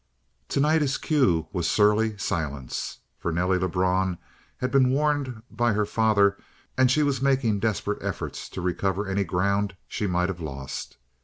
Tonight his cue was surly silence. For Nelly Lebrun had been warned by her father, and she was making desperate efforts to recover any ground she might have lost.